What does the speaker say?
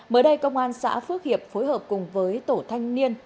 mới đây công an xã phước hiệp phối hợp cùng với tổ thanh niên